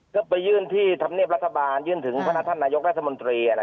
ก็ไปยื่นที่ธรรมเนียบรัฐบาลยื่นถึงพนักท่านนายกรัฐมนตรี